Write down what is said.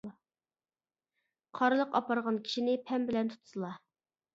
قارلىق ئاپارغان كىشىنى، پەم بىلەن تۇتسىلا.